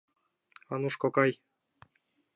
Ануш кокай.